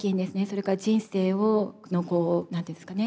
それから人生を何て言うんですかね。